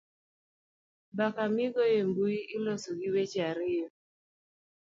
mbaka migoyo e mbui iloso gi weche ariyo